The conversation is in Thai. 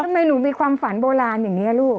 หนูมีความฝันโบราณอย่างนี้ลูก